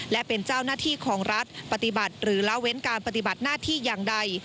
และเป็นเจ้าหน้าที่ของรัฐปฏิบัติหรือละเว้นการปฏิบัติหน้าที่อย่างใด